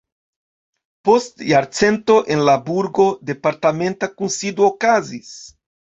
Post jarcento en la burgo departementa kunsido okazis.